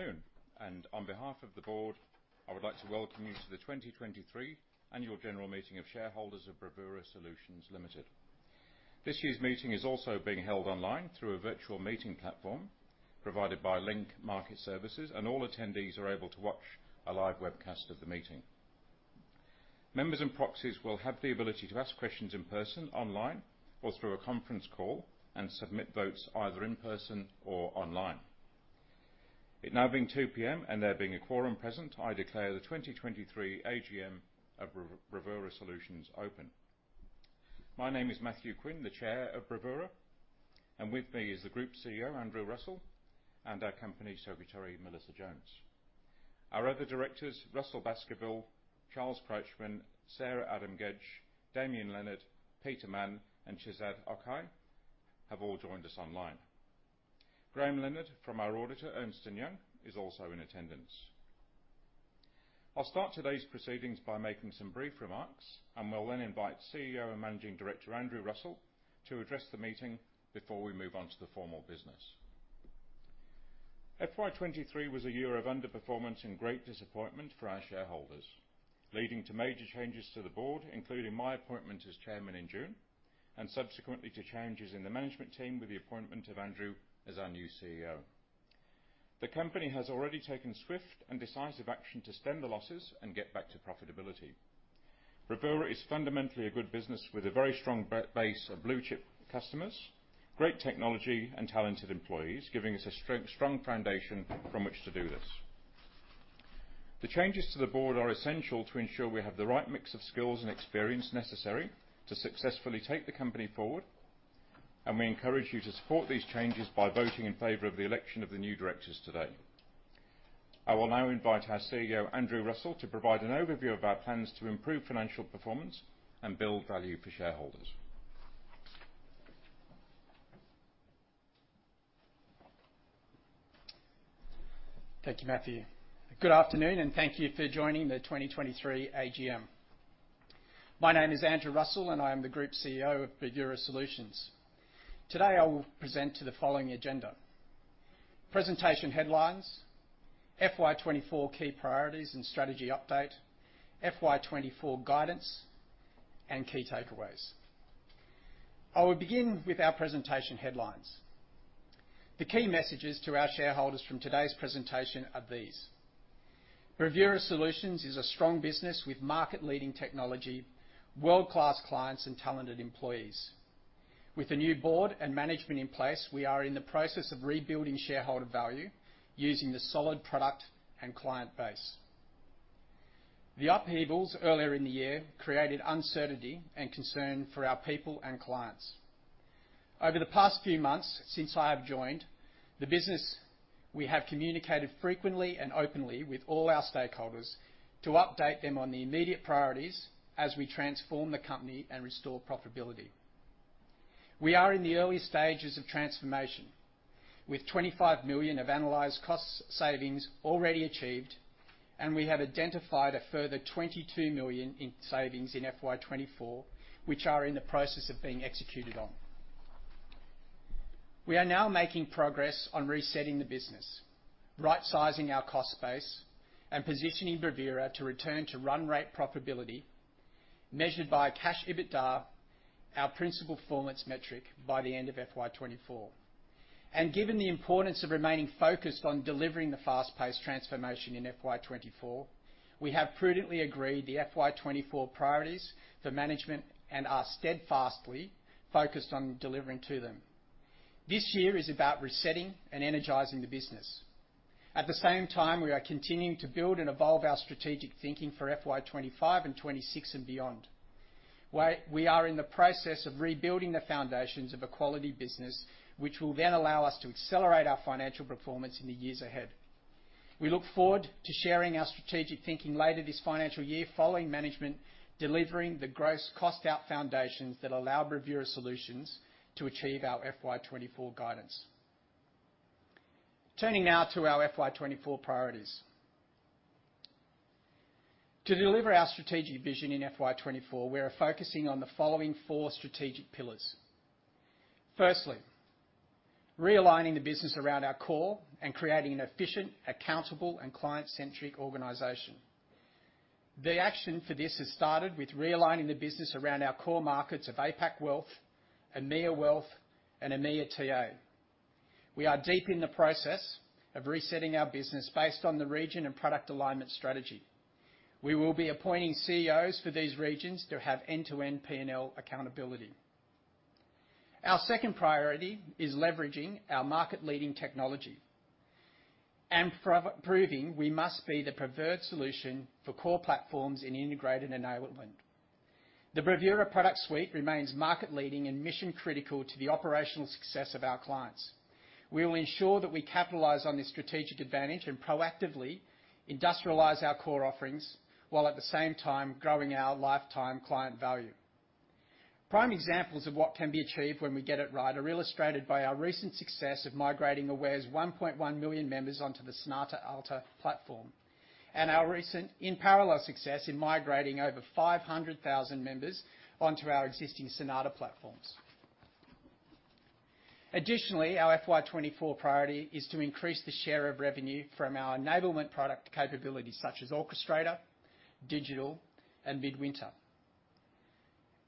Good afternoon, and on behalf of the board, I would like to welcome you to the 2023 Annual General Meeting of Shareholders of Bravura Solutions Limited. This year's meeting is also being held online through a virtual meeting platform provided by Link Market Services, and all attendees are able to watch a live webcast of the meeting. Members and proxies will have the ability to ask questions in person, online, or through a conference call, and submit votes either in person or online. It now being 2:00 P.M., and there being a quorum present, I declare the 2023 AGM of Bravura Solutions open. My name is Matthew Quinn, the Chair of Bravura, and with me is the Group CEO, Andrew Russell, and our Company Secretary, Melissa Jones. Our other directors, Russell Baskerville, Charles Crouchman, Sarah Adam-Gedge, Damien Leonard, Peter Mann, and Shezad Okhai, have all joined us online. Graham Leonard from our auditor, Ernst & Young, is also in attendance. I'll start today's proceedings by making some brief remarks, and we'll then invite CEO and Managing Director, Andrew Russell, to address the meeting before we move on to the formal business. FY23 was a year of underperformance and great disappointment for our shareholders, leading to major changes to the board, including my appointment as Chairman in June, and subsequently to changes in the management team with the appointment of Andrew as our new CEO. The company has already taken swift and decisive action to stem the losses and get back to profitability. Bravura is fundamentally a good business with a very strong base of blue chip customers, great technology, and talented employees, giving us a strong, strong foundation from which to do this. The changes to the board are essential to ensure we have the right mix of skills and experience necessary to successfully take the company forward, and we encourage you to support these changes by voting in favor of the election of the new directors today. I will now invite our CEO, Andrew Russell, to provide an overview of our plans to improve financial performance and build value for shareholders. Thank you, Matthew. Good afternoon, and thank you for joining the 2023 AGM. My name is Andrew Russell, and I am the Group CEO of Bravura Solutions. Today, I will present to the following agenda: presentation headlines, FY24 key priorities and strategy update, FY24 guidance, and key takeaways. I will begin with our presentation headlines. The key messages to our shareholders from today's presentation are these: Bravura Solutions is a strong business with market-leading technology, world-class clients, and talented employees. With a new board and management in place, we are in the process of rebuilding shareholder value using the solid product and client base. The upheavals earlier in the year created uncertainty and concern for our people and clients. Over the past few months, since I have joined the business, we have communicated frequently and openly with all our stakeholders to update them on the immediate priorities as we transform the company and restore profitability. We are in the early stages of transformation, with 25 million of analyzed cost savings already achieved, and we have identified a further 22 million in savings in FY 2024, which are in the process of being executed on. We are now making progress on resetting the business, rightsizing our cost base, and positioning Bravura to return to run rate profitability, measured by Cash EBITDA, our principal performance metric, by the end of FY 2024. Given the importance of remaining focused on delivering the fast-paced transformation in FY 2024, we have prudently agreed the FY 2024 priorities for management and are steadfastly focused on delivering to them. This year is about resetting and energizing the business. At the same time, we are continuing to build and evolve our strategic thinking for FY 25 and 26 and beyond. We are in the process of rebuilding the foundations of a quality business, which will then allow us to accelerate our financial performance in the years ahead. We look forward to sharing our strategic thinking later this financial year, following management, delivering the gross cost out foundations that allow Bravura Solutions to achieve our FY 24 guidance. Turning now to our FY 24 priorities. To deliver our strategic vision in FY 24, we are focusing on the following four strategic pillars. Firstly, realigning the business around our core and creating an efficient, accountable, and client-centric organization. The action for this has started with realigning the business around our core markets of APAC Wealth, EMEA Wealth, and EMEA TA. We are deep in the process of resetting our business based on the region and product alignment strategy. We will be appointing CEOs for these regions to have end-to-end P&L accountability. Our second priority is leveraging our market-leading technology and proving we must be the preferred solution for core platforms in integrated enablement. The Bravura product suite remains market-leading and mission-critical to the operational success of our clients. We will ensure that we capitalize on this strategic advantage and proactively industrialize our core offerings, while at the same time growing our lifetime client value. Prime examples of what can be achieved when we get it right are illustrated by our recent success of migrating Aware's 1.1 million members onto the Sonata Alta platform, and our recent, in parallel, success in migrating over 500,000 members onto our existing Sonata platforms. Additionally, our FY 2024 priority is to increase the share of revenue from our enablement product capabilities, such as Orchestrator, Digital, and Midwinter.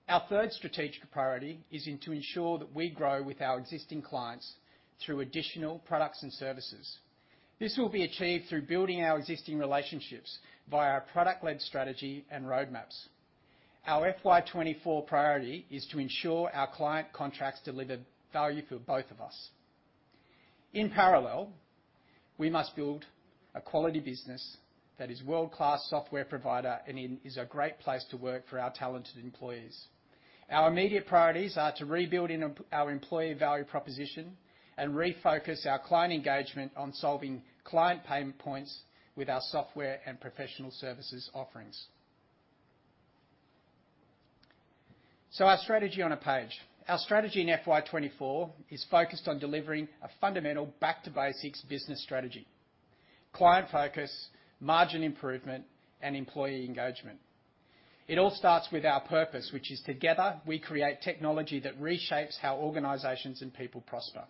Our third strategic priority is to ensure that we grow with our existing clients through additional products and services. This will be achieved through building our existing relationships via our product-led strategy and roadmaps. Our FY 2024 priority is to ensure our client contracts deliver value for both of us. In parallel, we must build a quality business that is a world-class software provider and is a great place to work for our talented employees. Our immediate priorities are to rebuild our employee value proposition and refocus our client engagement on solving client pain points with our software and professional services offerings. So, our strategy on a page. Our strategy in FY24 is focused on delivering a fundamental back to basics business strategy, client focus, margin improvement, and employee engagement. It all starts with our purpose, which is together, we create technology that reshapes how organizations and people prosper.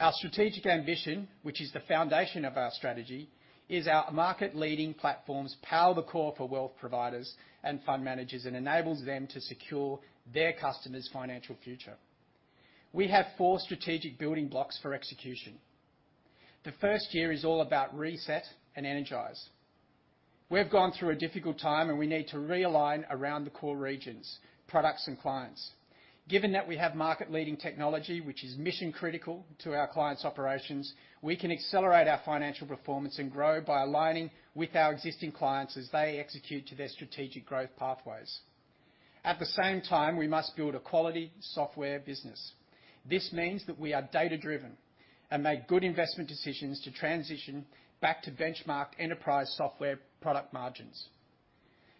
Our strategic ambition, which is the foundation of our strategy, is our market-leading platforms power the core for wealth providers and fund managers and enables them to secure their customers' financial future. We have four strategic building blocks for execution. The first year is all about reset and energize. We have gone through a difficult time, and we need to realign around the core regions, products, and clients. Given that we have market-leading technology, which is mission critical to our clients' operations, we can accelerate our financial performance and grow by aligning with our existing clients as they execute to their strategic growth pathways. At the same time, we must build a quality software business. This means that we are data-driven and make good investment decisions to transition back to benchmark enterprise software product margins.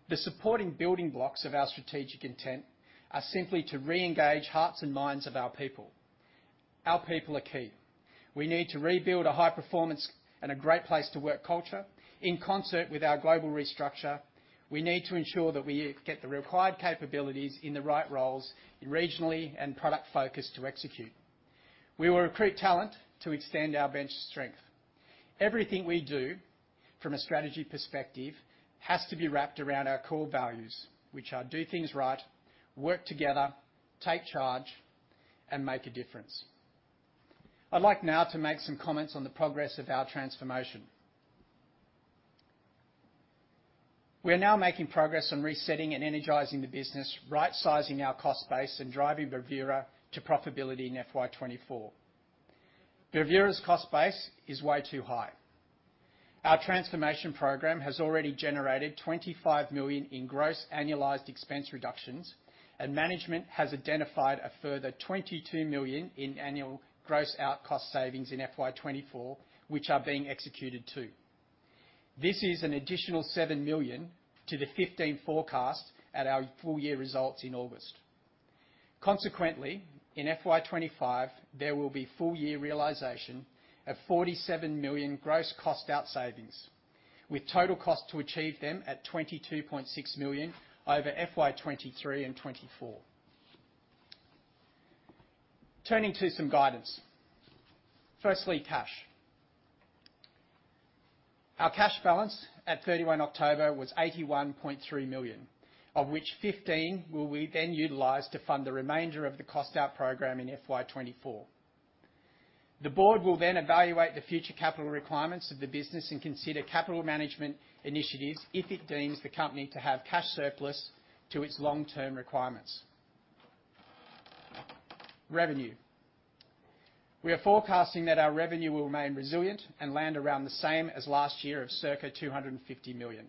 The supporting building blocks of our strategic intent are simply to reengage hearts and minds of our people. Our people are key. We need to rebuild a high performance and a great place to work culture. In concert with our global restructure, we need to ensure that we get the required capabilities in the right roles, regionally and product focused to execute. We will recruit talent to extend our bench strength. Everything we do from a strategy perspective has to be wrapped around our core values, which are: do things right, work together, take charge, and make a difference. I'd like now to make some comments on the progress of our transformation. We are now making progress on resetting and energizing the business, rightsizing our cost base, and driving Bravura to profitability in FY 2024. Bravura's cost base is way too high. Our transformation program has already generated 25 million in gross annualized expense reductions, and management has identified a further 22 million in annual gross cost-out savings in FY 2024, which are being executed, too. This is an additional 7 million to the 15 forecast at our full year results in August. Consequently, in FY 2025, there will be full year realization of 47 million gross cost out savings, with total cost to achieve them at 22.6 million over FY 2023 and 2024. Turning to some guidance. Firstly, cash. Our cash balance at 31 October was 81.3 million, of which 15 million will be then utilized to fund the remainder of the cost out program in FY 2024. The board will then evaluate the future capital requirements of the business and consider capital management initiatives if it deems the company to have cash surplus to its long-term requirements. Revenue. We are forecasting that our revenue will remain resilient and land around the same as last year of circa 250 million.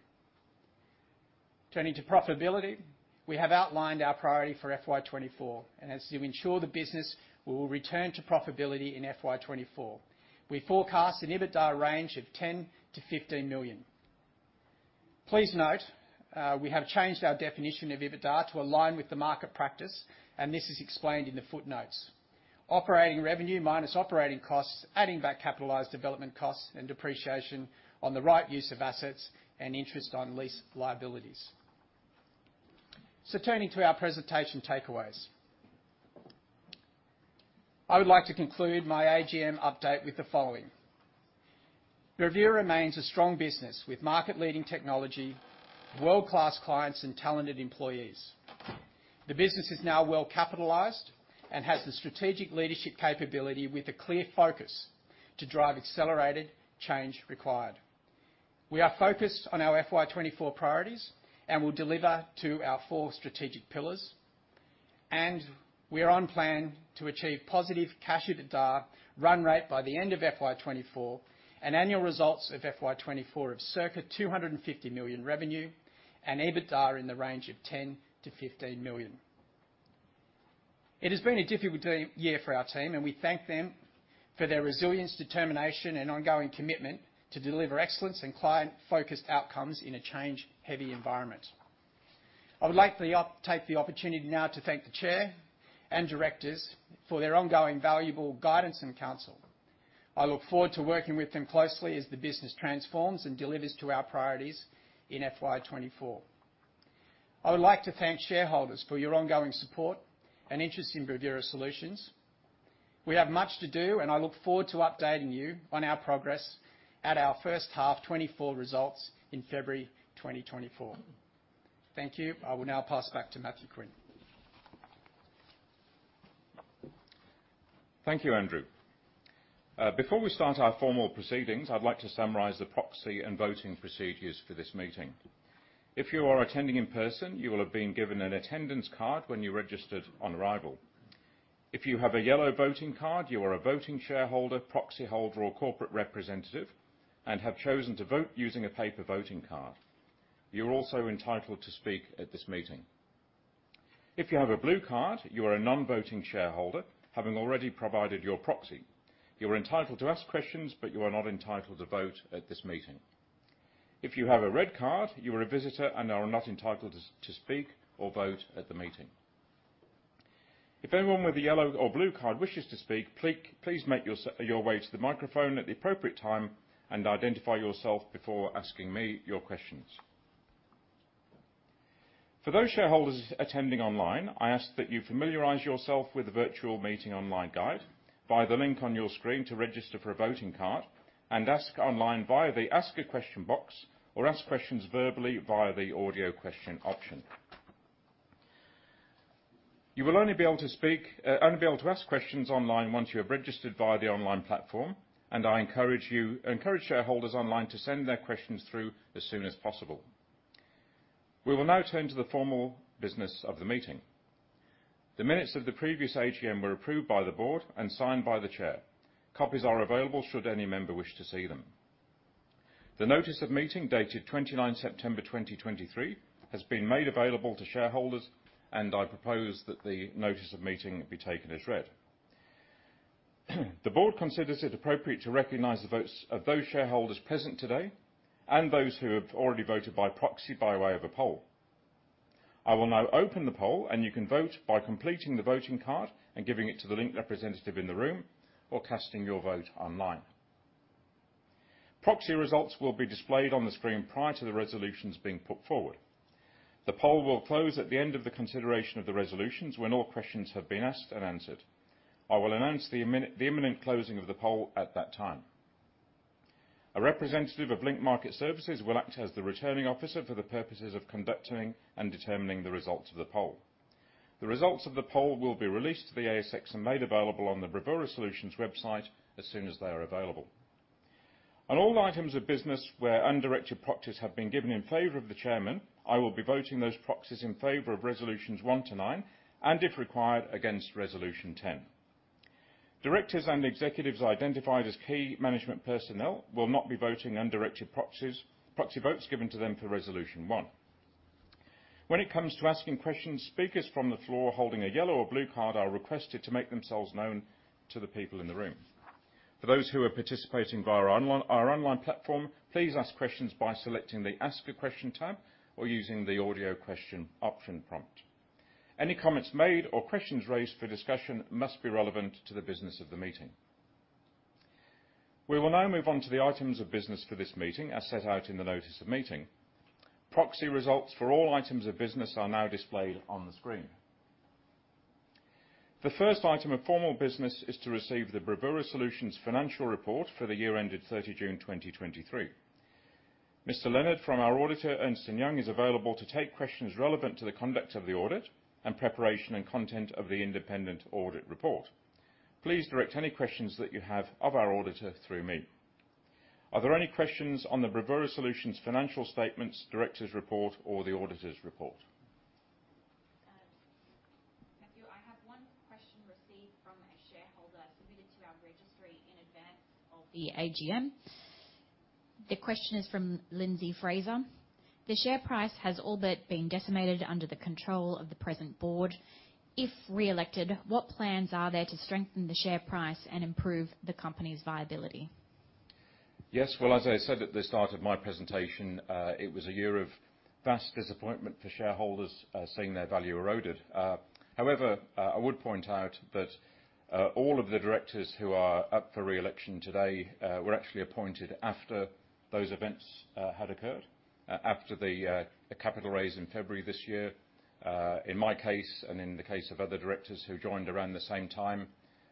Turning to profitability, we have outlined our priority for FY 2024, and as to ensure the business, we will return to profitability in FY 2024. We forecast an EBITDA of 10 million-15 million. Please note, we have changed our definition of EBITDA to align with the market practice, and this is explained in the footnotes. Operating revenue minus operating costs, adding back capitalized development costs and depreciation on the right-of-use assets and interest on lease liabilities. Turning to our presentation takeaways. I would like to conclude my AGM update with the following. Bravura remains a strong business with market-leading technology, world-class clients, and talented employees. The business is now well capitalized and has the strategic leadership capability with a clear focus to drive accelerated change required. We are focused on our FY 2024 priorities and will deliver to our four strategic pillars, and we are on plan to achieve positive Cash EBITDA run rate by the end of FY 2024, and annual results of FY 2024 of circa 250 million revenue and EBITDA in the range of 10 million-15 million. It has been a difficult year for our team, and we thank them for their resilience, determination, and ongoing commitment to deliver excellence and client-focused outcomes in a change-heavy environment. I would like to take the opportunity now to thank the Chair and directors for their ongoing valuable guidance and counsel. I look forward to working with them closely as the business transforms and delivers to our priorities in FY 2024. I would like to thank shareholders for your ongoing support and interest in Bravura Solutions. We have much to do, and I look forward to updating you on our progress at our first half 2024 results in February 2024. Thank you. I will now pass back to Matthew Quinn. Thank you, Andrew. Before we start our formal proceedings, I'd like to summarize the proxy and voting procedures for this meeting. If you are attending in person, you will have been given an attendance card when you registered on arrival. If you have a yellow voting card, you are a voting shareholder, proxy holder, or corporate representative and have chosen to vote using a paper voting card. You're also entitled to speak at this meeting. If you have a blue card, you are a non-voting shareholder, having already provided your proxy. You are entitled to ask questions, but you are not entitled to vote at this meeting. If you have a red card, you are a visitor and are not entitled to speak or vote at the meeting. If anyone with a yellow or blue card wishes to speak, please make your way to the microphone at the appropriate time and identify yourself before asking me your questions. For those shareholders attending online, I ask that you familiarize yourself with the virtual meeting online guide via the link on your screen to register for a voting card, and ask online via the Ask a Question box, or ask questions verbally via the Audio Question option. You will only be able to ask questions online once you have registered via the online platform, and I encourage shareholders online to send their questions through as soon as possible. We will now turn to the formal business of the meeting. The minutes of the previous AGM were approved by the board and signed by the chair. Copies are available should any member wish to see them. The Notice of Meeting, dated 29 September 2023, has been made available to shareholders, and I propose that the Notice of Meeting be taken as read. The board considers it appropriate to recognize the votes of those shareholders present today and those who have already voted by proxy by way of a poll. I will now open the poll, and you can vote by completing the voting card and giving it to the Link representative in the room or casting your vote online. Proxy results will be displayed on the screen prior to the resolutions being put forward. The poll will close at the end of the consideration of the resolutions when all questions have been asked and answered. I will announce the imminent closing of the poll at that time. A representative of Link Market Services will act as the Returning Officer for the purposes of conducting and determining the results of the poll. The results of the poll will be released to the ASX and made available on the Bravura Solutions website as soon as they are available. On all items of business where undirected proxies have been given in favor of the chairman, I will be voting those proxies in favor of resolutions one to nine and, if required, against resolution 10. Directors and executives identified as key management personnel will not be voting undirected proxies, proxy votes given to them for resolution one. When it comes to asking questions, speakers from the floor holding a yellow or blue card are requested to make themselves known to the people in the room. For those who are participating via our online platform, please ask questions by selecting the Ask a Question tab or using the Audio Question option prompt. Any comments made or questions raised for discussion must be relevant to the business of the meeting. We will now move on to the items of business for this meeting, as set out in the Notice of Meeting. Proxy results for all items of business are now displayed on the screen. The first item of formal business is to receive the Bravura Solutions Financial Report for the year ended 30 June 2023. Mr. Leonard, from our auditor, Ernst & Young, is available to take questions relevant to the conduct of the audit and preparation and content of the Independent Audit Report. Please direct any questions that you have of our auditor through me. Are there any questions on the Bravura Solutions financial statements, directors' report, or the auditor's report? Matthew, I have one question received from a shareholder submitted to our registry in advance of the AGM. The question is from Lindsay Fraser: The share price has all but been decimated under the control of the present board. If re-elected, what plans are there to strengthen the share price and improve the company's viability? Yes. Well, as I said at the start of my presentation, it was a year of vast disappointment for shareholders, seeing their value eroded. However, I would point out that all of the directors who are up for re-election today were actually appointed after those events had occurred, after the capital raise in February this year. In my case, and in the case of other directors who joined around the same time,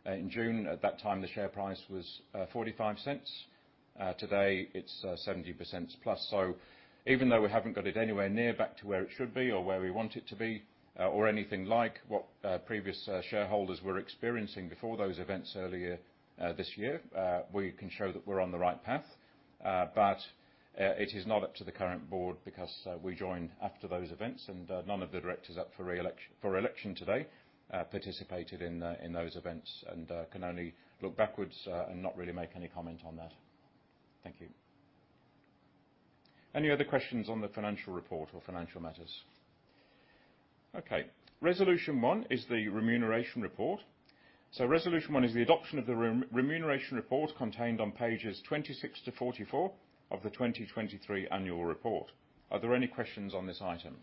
in June, at that time, the share price was 0.45. Today, it's 0.70+. So even though we haven't got it anywhere near back to where it should be, or where we want it to be, or anything like what previous shareholders were experiencing before those events earlier this year, we can show that we're on the right path. But it is not up to the current board because we joined after those events, and none of the directors up for re-election, for election today participated in those events, and can only look backwards and not really make any comment on that. Thank you. Any other questions on the Financial Report or financial matters? Okay, resolution one is the Remuneration Report. So resolution one is the adoption of the Remuneration Report contained on pages 26-44 of the 2023 annual report. Are there any questions on this item?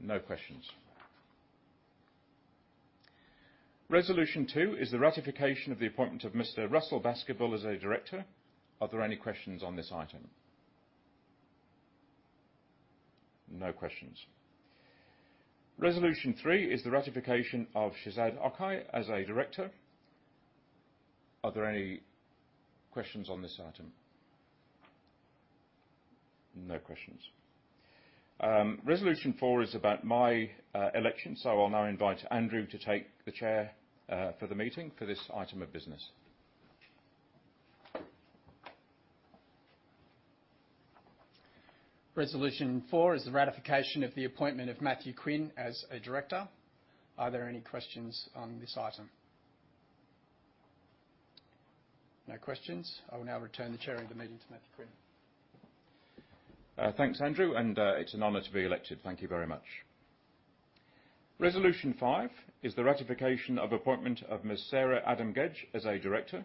No questions. Resolution two is the ratification of the appointment of Mr. Russell Baskerville as a director. Are there any questions on this item? No questions. Resolution three is the ratification of Shezad Okhai as a director. Are there any questions on this item? No questions. Resolution four is about my election, so I'll now invite Andrew to take the chair for the meeting for this item of business. Resolution four is the ratification of the appointment of Matthew Quinn as a director. Are there any questions on this item? No questions. I will now return the chair of the meeting to Matthew Quinn. Thanks, Andrew, and it's an honor to be elected. Thank you very much. Resolution five is the ratification of appointment of Ms. Sarah Adam-Gedge as a director.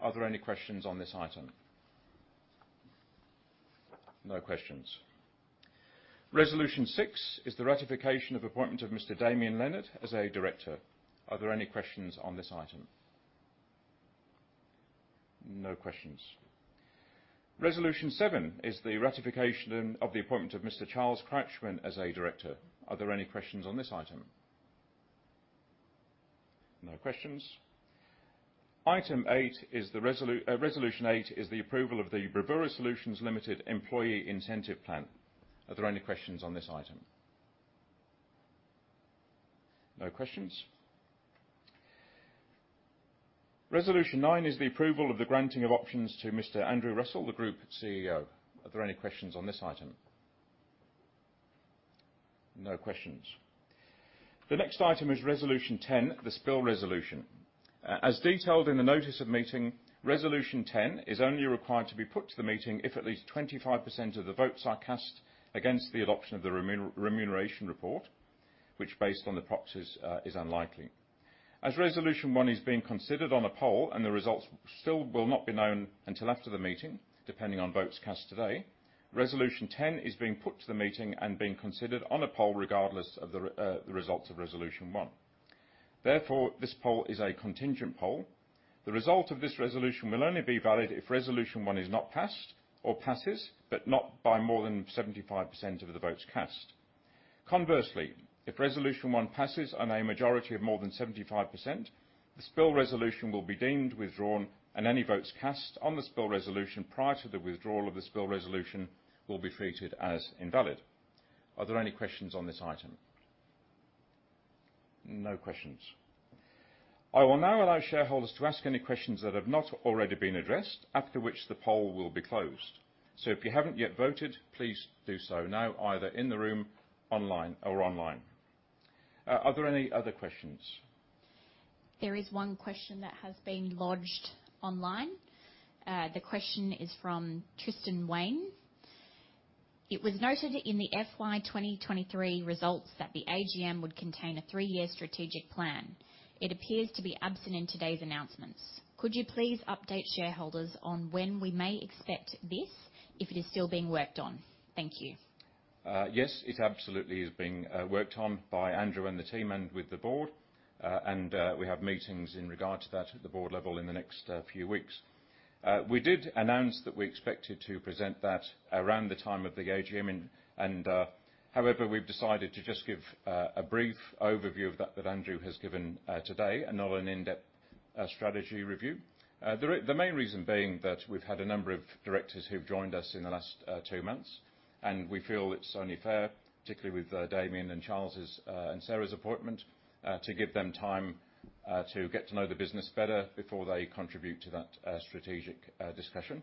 Are there any questions on this item? No questions. Resolution six is the ratification of appointment of Mr. Damien Leonard as a director. Are there any questions on this item? No questions. Resolution seven is the ratification of the appointment of Mr. Charles Crouchman as a director. Are there any questions on this item? No questions. Item eight is resolution eight, the approval of the Bravura Solutions Limited Employee Incentive Plan. Are there any questions on this item? No questions. Resolution nine is the approval of the granting of options to Mr. Andrew Russell, the Group CEO. Are there any questions on this item? No questions. The next item is resolution ten, the spill resolution. As detailed in the notice of meeting, resolution 10 is only required to be put to the meeting if at least 25% of the votes are cast against the adoption of the Remuneration Report, which, based on the proxies, is unlikely. As resolution one is being considered on a poll, and the results still will not be known until after the meeting, depending on votes cast today, resolution 10 is being put to the meeting and being considered on a poll, regardless of the results of resolution one. Therefore, this poll is a contingent poll. The result of this resolution will only be valid if resolution one is not passed or passes, but not by more than 75% of the votes cast. Conversely, if resolution one passes on a majority of more than 75%, the spill resolution will be deemed withdrawn, and any votes cast on the spill resolution prior to the withdrawal of the spill resolution will be treated as invalid. Are there any questions on this item? No questions. I will now allow shareholders to ask any questions that have not already been addressed, after which the poll will be closed. If you haven't yet voted, please do so now, either in the room, online, or online. Are there any other questions? There is one question that has been lodged online. The question is from Tristan Wayne: It was noted in the FY 2023 results that the AGM would contain a three-year strategic plan. It appears to be absent in today's announcements. Could you please update shareholders on when we may expect this, if it is still being worked on? Thank you. Yes, it absolutely is being worked on by Andrew and the team and with the board. And we have meetings in regard to that at the board level in the next few weeks. We did announce that we expected to present that around the time of the AGM and... However, we've decided to just give a brief overview of that that Andrew has given today, and not an in-depth strategy review. The main reason being that we've had a number of directors who've joined us in the last two months, and we feel it's only fair, particularly with Damien and Charles's and Sarah's appointment, to give them time to get to know the business better before they contribute to that strategic discussion.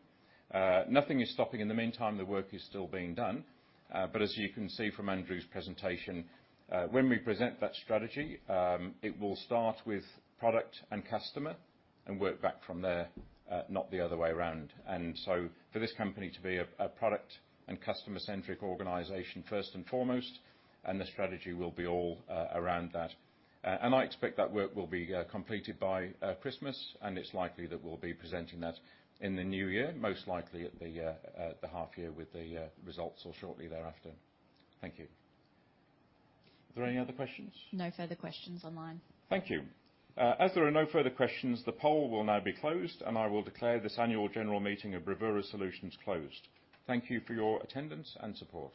Nothing is stopping. In the meantime, the work is still being done, but as you can see from Andrew's presentation, when we present that strategy, it will start with product and customer and work back from there, not the other way around. And so for this company to be a product and customer-centric organization first and foremost, and the strategy will be all around that. And I expect that work will be completed by Christmas, and it's likely that we'll be presenting that in the new year, most likely at the half year with the results or shortly thereafter. Thank you. Are there any other questions? No further questions online. Thank you. As there are no further questions, the poll will now be closed, and I will declare this Annual General Meeting of Bravura Solutions closed. Thank you for your attendance and support.